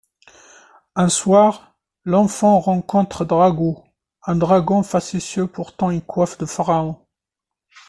Un soir, l'enfant rencontre Dragoo, un dragon facétieux portant une coiffe de pharaon.